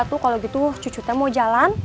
lu kalau gitu cucu teh mau jalan